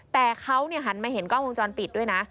แต่เขาหันมาเห็นกล้องวงจรปิดด้วยนะ